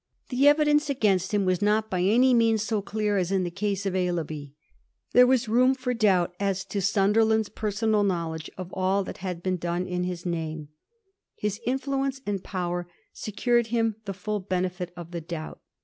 The evidence against him was not by any means so clear as in the case of Aislabie. There was room for a doubt as to Sunderland's personal knowledge of all that had been done in his nama His influence and power secured him the fiill benefit of the doubt.